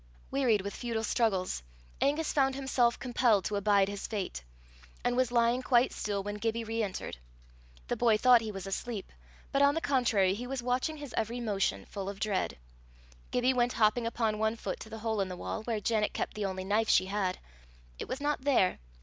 Wearied with futile struggles, Angus found himself compelled to abide his fate, and was lying quite still when Gibbie re entered. The boy thought he was asleep, but on the contrary he was watching his every motion, full of dread. Gibbie went hopping upon one foot to the hole in the wall where Janet kept the only knife she had. It was not there.